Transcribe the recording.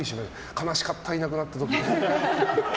悲しかった、いなくなった時。